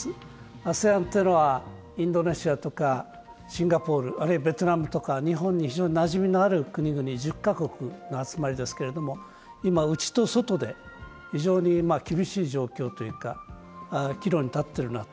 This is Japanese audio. ＡＳＥＡＮというのはインドネシアとかシンガポールあるいはベトナムとか日本に非常になじみのある国々１０カ国の集まりですけれども、今、内と外で厳しい状況というか岐路に立っているなと。